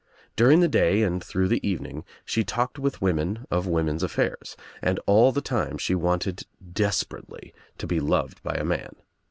During the day and through the evening she talked with women of women's affairs, and all the time she wanted desperately to be loved by a man.